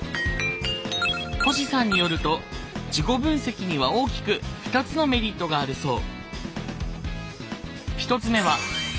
星さんによると自己分析には大きく２つのメリットがあるそう。